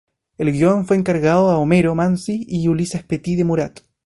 El guion fue encargado a Homero Manzi y Ulyses Petit de Murat.